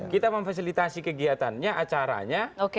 kita memfasilitasi kegiatannya acaranya